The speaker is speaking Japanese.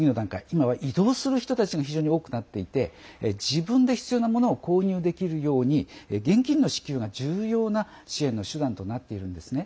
今は、移動する人たちが非常に多くなっていて自分で必要なものを購入できるように現金の支給が重要な支援の手段となっているんですね。